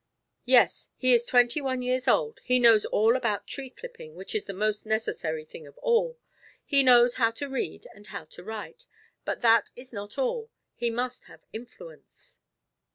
"Yes, he is twenty one years old; he knows all about tree clipping, which is the most necessary thing of all he knows how to read and how to write; but that is not all; he must have influence."